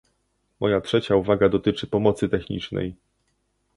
Moja trzecia uwaga dotyczy pomocy technicznej